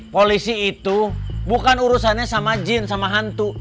polisi itu bukan urusannya sama jin sama hantu